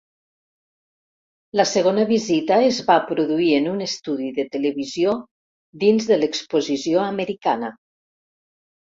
La segona visita es va produir en un estudi de televisió dins de l'exposició americana.